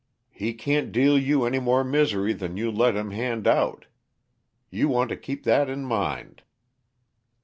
He can't deal you any more misery than you let him hand out; you want to keep that in mind."